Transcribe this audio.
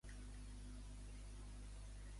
Quan s'establiria La Société Rencesvals?